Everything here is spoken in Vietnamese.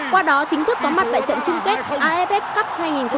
qua đó chính thức có mặt tại trận chung kết afs cup hai nghìn một mươi tám